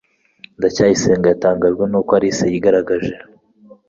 ndacyayisenga yatangajwe nuko alice yigaragaje